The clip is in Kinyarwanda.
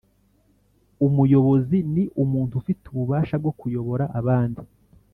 Umuyobozi Ni umuntu ufite ububasha bwo kuyobora abandi